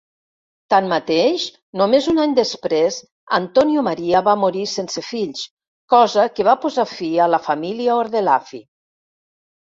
Tanmateix, només un any després, Antonio Maria va morir sense fills, cosa que va posar fi a la família Ordelaffi.